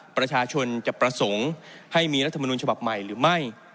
ประชาชนจะประสงค์ให้มีรัฐมนุนฉบับใหม่หรือไม่